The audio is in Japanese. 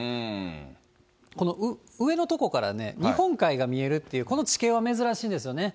この上のとこからね、日本海が見えるっていう、この地形は珍しいんですよね。